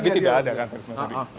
tadi tidak ada kan resmi tadi